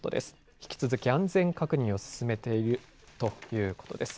引き続き安全確認を進めているということです。